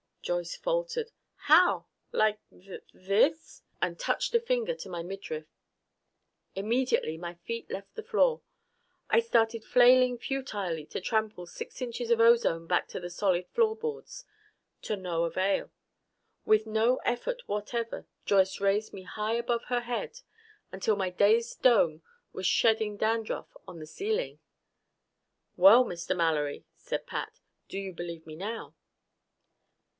Joyce faltered, "How? Like th this?" and touched a finger to my midriff. Immediately my feet left the floor. I started flailing futilely to trample six inches of ozone back to the solid floorboards. To no avail. With no effort whatever Joyce raised me high above her head until my dazed dome was shedding dandruff on the ceiling! "Well, Mr. Mallory," said Pat, "do you believe me now?"